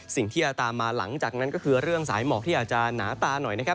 สิ่งที่จะตามมาหลังจากนั้นก็คือเรื่องสายหมอกที่อาจจะหนาตาหน่อยนะครับ